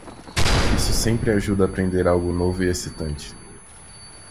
Isso sempre ajuda a aprender algo novo e excitante.